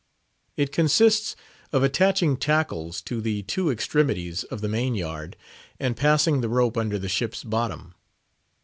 It consists of attaching tackles to the two extremities of the main yard, and passing the rope under the ship's bottom.